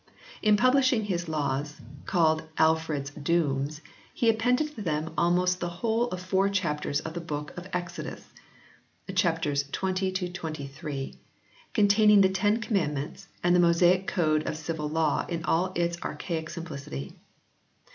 In publishing his Laws, called "Alfred s Dooms," he appended to them almost the whole of four chapters of the book of Exodus (xx. xxiii.) containing the Ten Command ments and the Mosaic code of civil law in all its archaic simplicity.